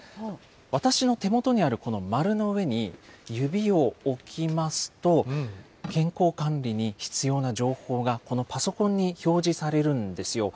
私の手元にある、この丸の上に、指を置きますと、健康管理に必要な情報がこのパソコンに表示されるんですよ。